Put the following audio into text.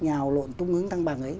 nhào lộn tung ứng tăng bằng ấy